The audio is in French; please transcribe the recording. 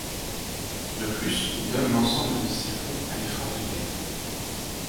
De plus, il donne l'ensemble de ses fonds à l'effort de guerre.